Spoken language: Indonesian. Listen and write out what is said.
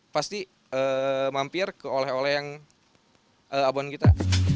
pasti mampir ke oleh oleh yang abon kita